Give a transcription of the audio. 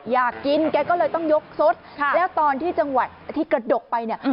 อยากกินแกก็เลยต้องยกสดแล้วตอนที่จังหวัดที่กระดกไปเนี่ย